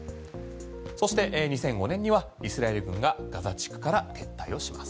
そして２００５年にはイスラエル軍がガザ地区から撤退をします。